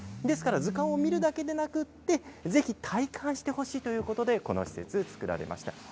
ですから、図鑑を見るだけでなくって、ぜひ体感してほしいということで、この施設、作られました。